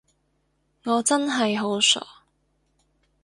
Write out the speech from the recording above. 我真係好傻